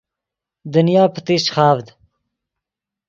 دنیا پتیشچ خاڤد